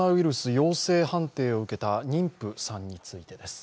陽性判定を受けた妊婦さんについてです。